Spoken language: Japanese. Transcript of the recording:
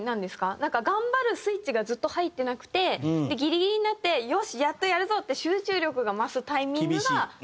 なんか頑張るスイッチがずっと入ってなくてギリギリになってよしやっとやるぞ！って集中力が増すタイミングが最後に来る。